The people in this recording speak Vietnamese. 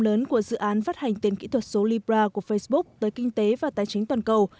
lớn của dự án phát hành tiền kỹ thuật số libra của facebook tới kinh tế và tài chính toàn cầu